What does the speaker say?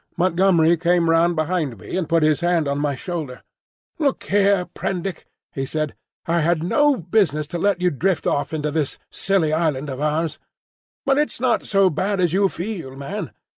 Montgomery came round behind me and put his hand on my shoulder. "Look here, Prendick," he said, "I had no business to let you drift out into this silly island of ours. But it's not so bad as you feel, man.